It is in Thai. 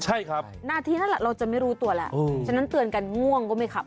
ใช่ครับนาทีนั้นแหละเราจะไม่รู้ตัวแล้วฉะนั้นเตือนกันง่วงก็ไม่ขับ